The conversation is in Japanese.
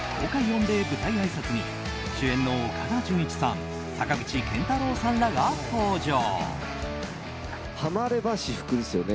御礼舞台あいさつに主演の岡田准一さん坂口健太郎さんらが登場。